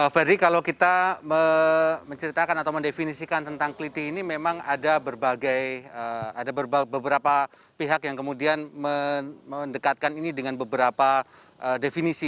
ferdi kalau kita menceritakan atau mendefinisikan tentang keliti ini memang ada beberapa pihak yang kemudian mendekatkan ini dengan beberapa definisi